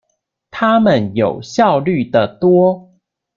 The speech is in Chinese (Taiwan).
他們有效率的多